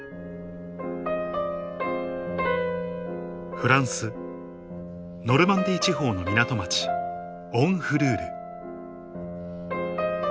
フランスノルマンディー地方の港町オンフルール